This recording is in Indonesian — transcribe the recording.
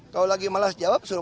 kalau lagi malas jawab kita menutup